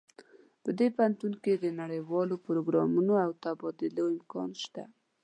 په دې پوهنتون کې د نړیوالو پروګرامونو او تبادلو امکان شته